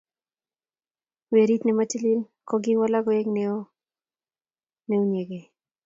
werit ne ma tilil ko kiwalak koek neo ne unyegei